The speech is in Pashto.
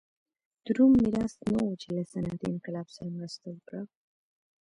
د روم میراث نه و چې له صنعتي انقلاب سره مرسته وکړه.